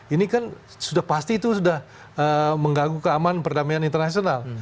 ini kan sudah pasti itu sudah mengganggu keamanan perdamaian internasional